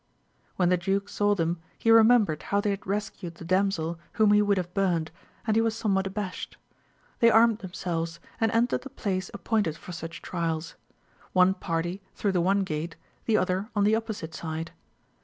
When the duke saw them, he remembered how they had rescued the damsel whom he would have burnt, and he was somewhat abashed. They armed themselves, and entered the place ap pointed for such trials; one party through the one gate, the other on the opposite side.